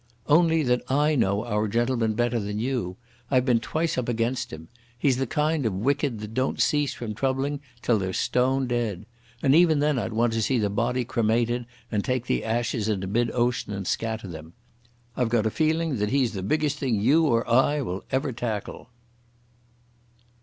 "Only that I know our gentleman better than you. I've been twice up against him. He's the kind of wicked that don't cease from troubling till they're stone dead. And even then I'd want to see the body cremated and take the ashes into mid ocean and scatter them. I've got a feeling that he's the biggest thing you or I will ever tackle."